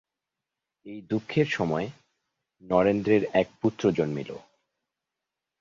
এই দুঃখের সময় নরেন্দ্রের এক পুত্র জন্মিল।